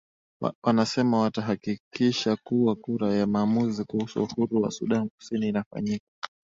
wanasema watahakikisha kuwa kura ya maamuzi kuhusu uhuru wa sudan kusini inafanyika kama ilivyopangwa